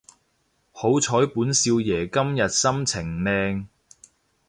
好彩本少爺今日心情靚